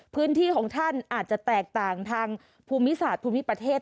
พื้นที่ของท่านอาจจะแตกต่างทางภูมิศาสตร์ภูมิประเทศ